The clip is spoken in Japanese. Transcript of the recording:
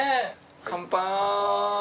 乾杯！